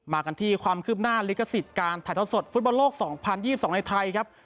กันที่ความคืบหน้าลิขสิทธิ์การถ่ายทอดสดฟุตบอลโลก๒๐๒๒ในไทยครับ